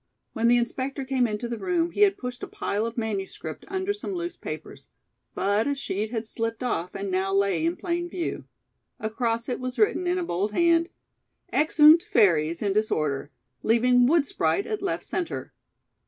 When the inspector came into the room he had pushed a pile of manuscript under some loose papers, but a sheet had slipped off and now lay in plain view. Across it was written in a bold hand: "Exeunt FAIRIES in disorder, leaving WOOD SPRITE at Left Centre.